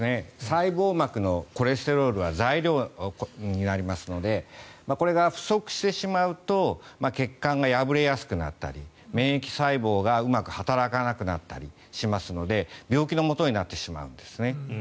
細胞膜のコレステロールは材料になりますのでこれが不足してしまうと血管が破れやすくなったり免疫細胞がうまく働かなくなったりしますので病気のもとになってしまうんですね。